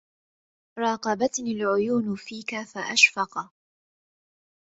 راقبتني العيون فيك فأشفق